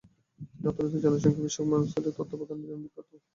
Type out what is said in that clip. তিনি অর্থনীতি ও জনসংখ্যা বিষয়ক ম্যালথাসের তত্ত্ব প্রদানের জন্য বিখ্যাত।